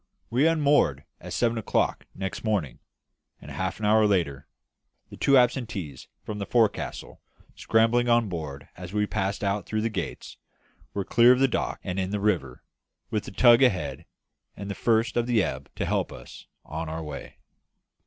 We unmoored at seven o'clock next morning, and half an hour later the two absentees from the forecastle scrambling on board as we passed out through the gates were clear of the dock and in the river, with the tug ahead and the first of the ebb to help us on our way.